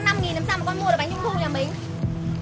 năm làm sao mà con mua được bánh trung thu nhà mình